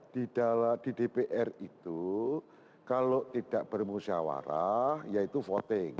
di dpr itu kalau tidak bermusyawarah yaitu voting